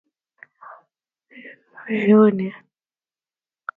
He also conducts the university choir.